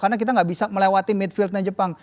karena kita gak bisa melewati midfieldnya jepang